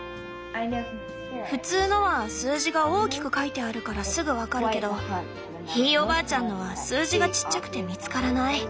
普通のは数字が大きく書いてあるからすぐ分かるけどひいおばあちゃんのは数字がちっちゃくて見つからない。